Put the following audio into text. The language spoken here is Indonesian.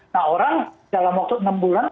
nah orang dalam waktu enam bulan